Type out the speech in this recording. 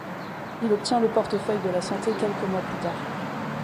Il obtient le portefeuille de la Santé quelques mois plus tard.